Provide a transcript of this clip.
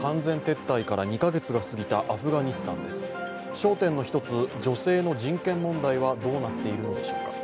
焦点の１つ、女性の人権問題はどうなっているのでしょうか。